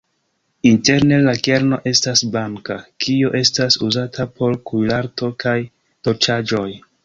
Interne la kerno estas blanka, kio estas uzata por kuirarto kaj dolĉaĵoj.